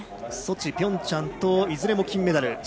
ソチ、ピョンチャンといずれも金メダル。